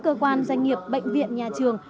cơ quan doanh nghiệp bệnh viện nhà trường